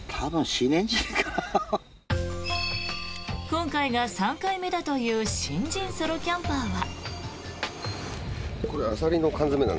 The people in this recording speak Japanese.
今回が３回目だという新人ソロキャンパーは。